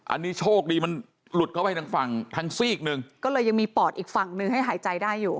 อันนี้โชคดีมันหลุดเข้าไปทางฝั่งทางซีกหนึ่งก็เลยยังมีปอดอีกฝั่งหนึ่งให้หายใจได้อยู่